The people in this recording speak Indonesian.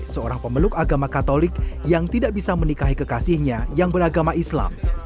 seorang pemeluk agama katolik yang tidak bisa menikahi kekasihnya yang beragama islam